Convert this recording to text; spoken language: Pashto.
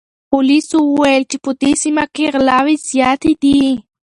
پولیسو وویل چې په دې سیمه کې غلاوې زیاتې دي.